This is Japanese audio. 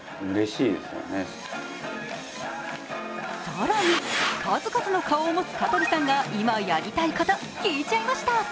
更に数々の顔を持つ香取さんが今やりたいこと聞いちゃいました。